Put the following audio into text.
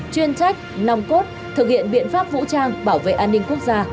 chuyên trách nòng cốt thực hiện biện pháp vũ trang bảo vệ an ninh quốc gia